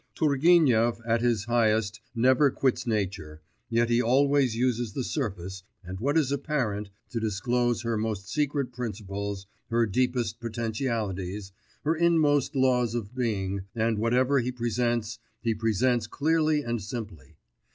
Turgenev at his highest never quits nature, yet he always uses the surface, and what is apparent, to disclose her most secret principles, her deepest potentialities, her inmost laws of being, and whatever he presents he presents clearly and simply.